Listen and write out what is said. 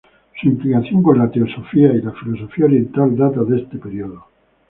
Su implicación con la teosofía y la filosofía oriental data de este periodo.